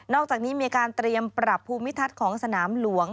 อกจากนี้มีการเตรียมปรับภูมิทัศน์ของสนามหลวง